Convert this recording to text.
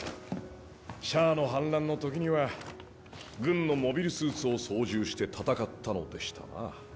シャアの反乱のときには軍のモビルスーツを操縦して戦ったのでしたな？